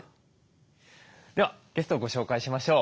ではゲストをご紹介しましょう。